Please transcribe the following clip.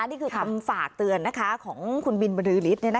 นี่คือคำฝากเตือนนะคะของคุณบิลบลือริฐนะคะ